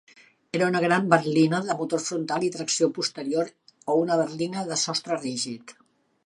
Era una gran berlina de motor frontal i tracció posterior o una berlina de sostre rígid.